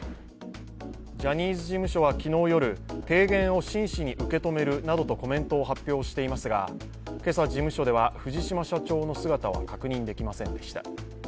ジャニーズ事務所は昨日夜提言を真摯に受け止めるなどとコメントを発表していますが今朝、事務所では藤島社長の姿は確認できませんでした。